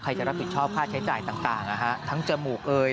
จะรับผิดชอบค่าใช้จ่ายต่างทั้งจมูกเอย